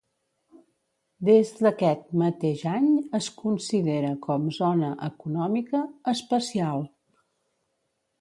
Des d'aquest mateix any es considera com zona econòmica especial.